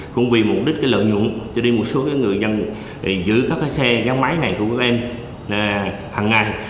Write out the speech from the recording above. cũng vì mục đích lợi nhuận cho đi một số người dân giữ các xe gắn máy này của các em hằng ngày